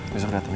besok datang ya